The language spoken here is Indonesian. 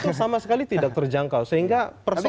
itu sama sekali tidak terjangkau sehingga persoalan itu